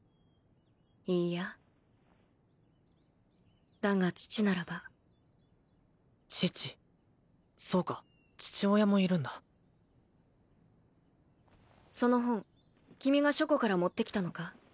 いいやだが父ならば父そうか父親もいるんだその本君が書庫から持ってきたのか？